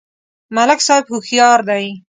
ملک صاحب هوښیار دی.